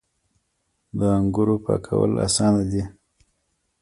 د انګورو پاکول اسانه دي.